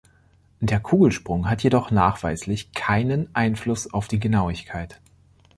Der „Kugelsprung" hat jedoch nachweislich keinen Einfluss auf die Genauigkeit.